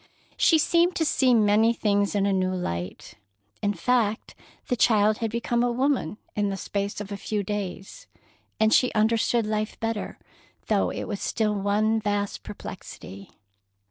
She seemed to see many things in a new light. In fact, the child had become a woman in the space of a few days, and she understood life better, though it was still one vast perplexity.